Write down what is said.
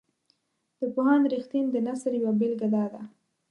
د پوهاند رښتین د نثر یوه بیلګه داده.